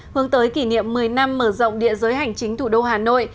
hướng tới kỷ niệm một mươi năm mở rộng địa giới hành chính thủ đô hà nội